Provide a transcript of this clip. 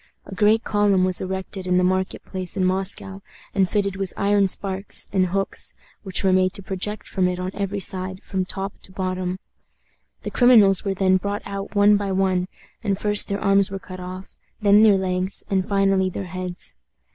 A great column was erected in the market place in Moscow, and fitted with iron spikes and hooks, which were made to project from it on every side, from top to bottom. The criminals were then brought out one by one, and first their arms were cut off, then their legs, and finally their heads.